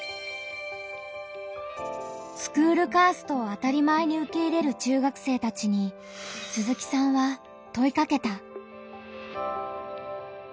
スクールカーストを当たり前に受け入れる中学生たちに鈴木さんは問いかけた。